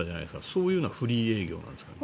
そういうようなフリー営業なんですか？